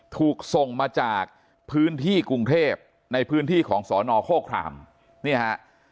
ถูกส่งมาจากพื้นที่กรุงเทพในพื้นที่ของสอนอโฆครามเนี่ยฮะ